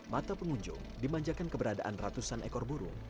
mata pengunjung dimanjakan keberadaan ratusan ekor burung